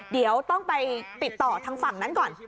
เดี๋ยวต้องไปติดต่อทางฝั่งนั้นก่อน